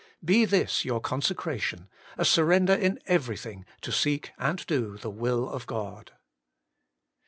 Be this your consecration : a surrender in everything to seek and do the mill of God.